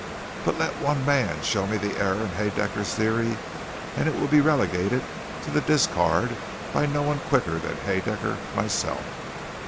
Let but one man show me the error in Haedaecker's Theory, and it will be relegated to the discard by no one quicker than Haedaecker, myself!